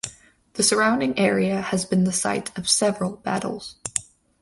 The surrounding area has been the site of several battles.